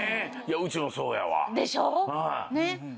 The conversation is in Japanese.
うちもそうやわ。でしょ？